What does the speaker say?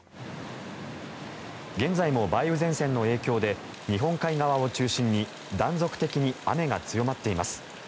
現在も梅雨前線の影響で日本海側を中心に断続的に雨が強まっています。